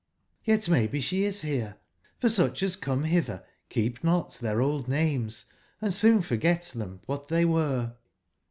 Y^t maybe sbe is bere. for sucb as come bitber keep not tbeir old names, and soon forget tbem wbat tbey were.